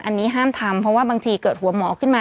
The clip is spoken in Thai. อันนี้ห้ามทำเพราะว่าบางทีเกิดหัวหมอขึ้นมา